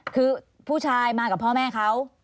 คือผู้ชายมากับพ่อแม่เขา